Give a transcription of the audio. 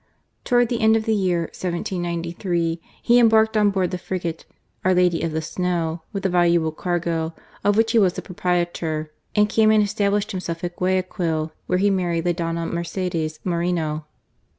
Towards the end of the year 1793, he embarked on board the frigate Our Lady of the Snow with a valuable cargo, of which he was the proprietor, and came and established himself at Guayaquil, where he married the Dofta Mercedes Moreno.